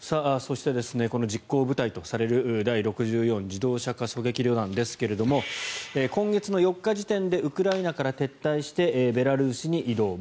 そして、実行部隊とされる第６４自動車化狙撃旅団ですが今月４日時点でウクライナから撤退してベラルーシに移動。